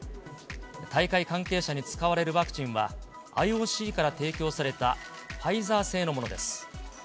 大会関係者に使われるワクチンは、ＩＯＣから提供されたファイザー製のものです。